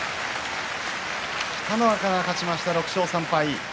北の若が勝ちました、６勝３敗。